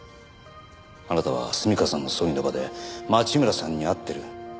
あなたは純夏さんの葬儀の場で町村さんに会ってる。